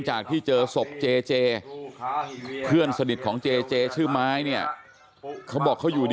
จากที่เจอศพเจเจเพื่อนสนิทของเจเจชื่อไม้เนี่ยเขาบอกเขาอยู่ดี